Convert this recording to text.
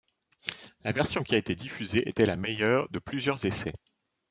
La version qui a été diffusée était la meilleure de plusieurs essais.